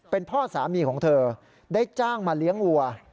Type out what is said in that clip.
เป็นพ่อสามีของเธอได้จ้างมาเลี้ยงวัว